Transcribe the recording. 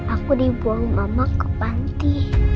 aku dibuang mama ke panti